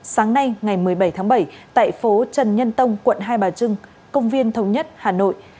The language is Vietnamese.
sáng nay ngày một mươi bảy tháng bảy tại phố trần nhân tông quận hai bà trưng công viên thống nhất hà nội